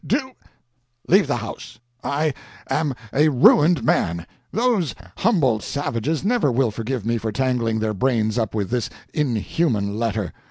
"Du leave the house! I am a ruined man. Those Humboldt savages never will forgive me for tangling their brains up with this inhuman letter.